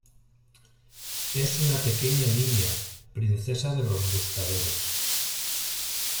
Es una pequeña niña, princesa de los Buscadores.